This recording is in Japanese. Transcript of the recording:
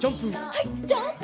はいジャンプ！